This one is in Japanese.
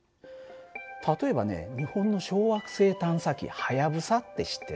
例えばね日本の小惑星探査機「はやぶさ」って知ってる？